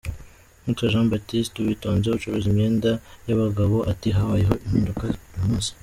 Uwitwa Jean Baptiste Uwitonze ucuruza imyenda y’abagabo ati “Habayeho impinduka uyu munsi.